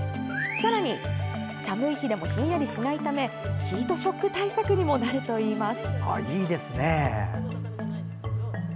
さらに、寒い日でもひんやりしないためヒートショック対策にもなるといいます。